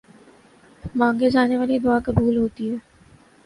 مانگی جانے والی دعا قبول ہوتی ہے۔